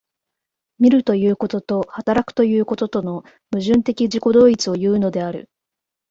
見るということと働くということとの矛盾的自己同一をいうのである。